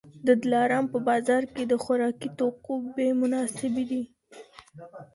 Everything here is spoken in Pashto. د دلارام په بازار کي د خوراکي توکو بیې مناسبې دي